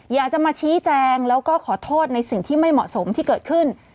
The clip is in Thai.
อยากจะมาชี้แจงแล้วก็ขอโทษในสิ่งที่ไม่เหมาะสมที่เกิดขึ้น